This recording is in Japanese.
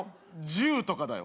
銃とかだよ